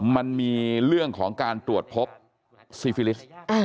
มันมีเรื่องของการตรวจพบซีฟิลิสต์